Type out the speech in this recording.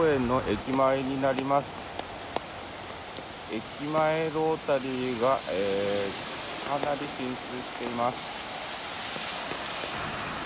駅前ロータリーがかなり浸水しています。